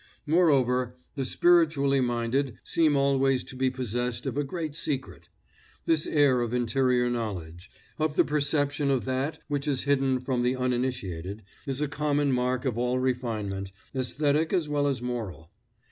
Moreover, the spiritually minded seem always to be possessed of a great secret. This air of interior knowledge, of the perception of that which is hidden from the uninitiated, is a common mark of all refinement, aesthetic as well as moral.